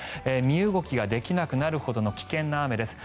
身動きができなくなるほどの危険な雨です。